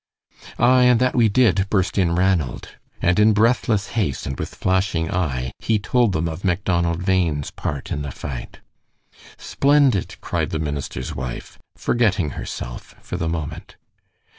"Aye, and that we did," burst in Ranald. And in breathless haste and with flashing eye he told them of Macdonald Bhain's part in the fight. "Splendid!" cried the minister's wife, forgetting herself for the moment.